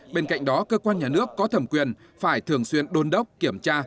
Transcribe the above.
bên cạnh đó cơ quan nhà nước có thẩm quyền phải thường xuyên đôn đốc kiểm tra